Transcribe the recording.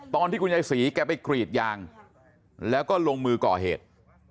ตอนที่คุณยายศรีแกไปกรีดยางแล้วก็ลงมือก่อเหตุ